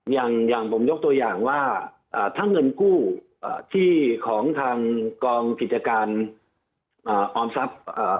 อย่างอย่างผมยกตัวอย่างว่าถ้าเงินกู้อ่าที่ของทางกองกิจการออมทรัพย์